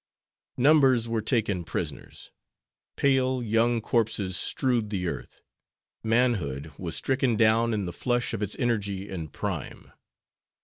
Numbers were taken prisoners. Pale, young corpses strewed the earth; manhood was stricken down in the flush of its energy and prime.